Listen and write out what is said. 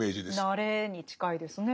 慣れに近いですね。